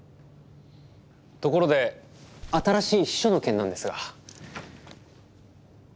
ところで新しい秘書の件なんですが。